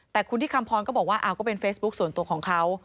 แต่คุณที่คำพรก็บอกว่าก็เป็นเฟซบุ๊คส่วนตัวของเขา